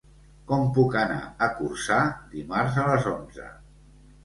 Com puc anar a Corçà dimarts a les onze?